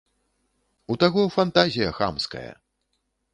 У таго фантазія хамская!